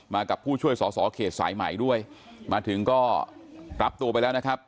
กับผู้ช่วยสอสอเขตสายใหม่ด้วยมาถึงก็รับตัวไปแล้วนะครับ